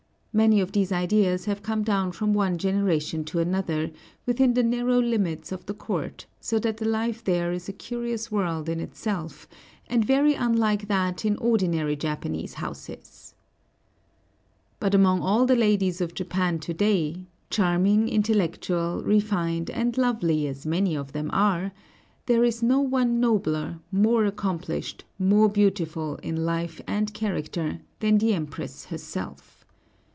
Many of these ideas have come down from one generation to another, within the narrow limits of the court, so that the life there is a curious world in itself, and very unlike that in ordinary Japanese homes. But among all the ladies of Japan to day, charming, intellectual, refined, and lovely as many of them are, there is no one nobler, more accomplished, more beautiful in life and character, than the Empress herself.